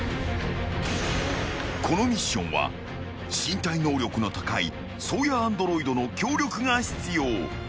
［このミッションは身体能力の高い颯也アンドロイドの協力が必要］